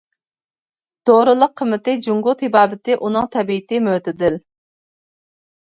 دورىلىق قىممىتى جۇڭگو تېبابىتى ئۇنىڭ تەبىئىتى مۆتىدىل.